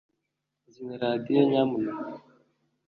zimya radio, nyamuneka